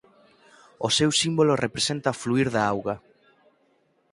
O seu símbolo representa o fluír da auga.